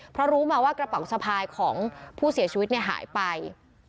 เพราะรู้มาว่ากระเป๋าสะพายของผู้เสียชีวิตหายไป